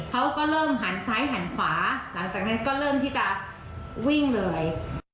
เขาก็เริ่มหันซ้ายหันขวาหลังจากนั้นก็เริ่มที่จะวิ่งเลย